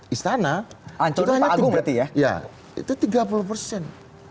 istana itu tiga puluh persen